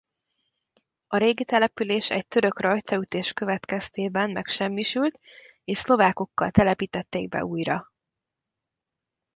A régi település egy török rajtaütés következtében megsemmisült és szlovákokkal telepítették be újra.